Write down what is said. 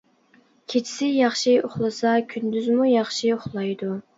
كېچىسى ياخشى ئۇخلىسا كۈندۈزمۇ ياخشى ئۇخلايدۇ.